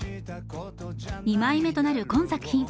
２枚目となる今作品。